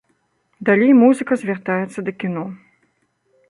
Далей музыка звяртаецца да кіно.